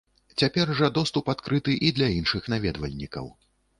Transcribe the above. Цяпер жа доступ адкрыты і для іншых наведвальнікаў.